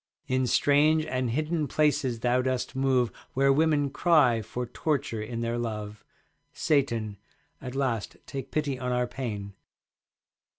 In strange and hidden places thou dost move Where women cry for torture in their love. Satan, at last take pity on our pain.